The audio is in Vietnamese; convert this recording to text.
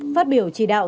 phát biểu chỉ đạo